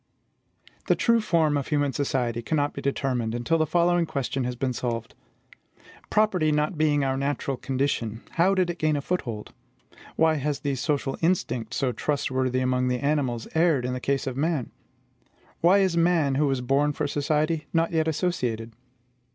The true form of human society cannot be determined until the following question has been solved: Property not being our natural condition, how did it gain a foothold? Why has the social instinct, so trustworthy among the animals, erred in the case of man? Why is man, who was born for society, not yet associated?